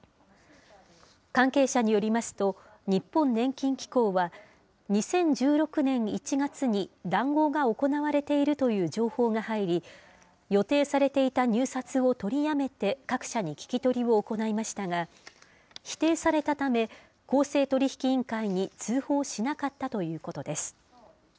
関係者によりますと、日本年金機構は、２０１６年１月に談合が行われているという情報が入り、予定されていた入札を取りやめて、各社に聞き取りを行いましたが、否定されたため、公正取引委員会に通報しなかったということです。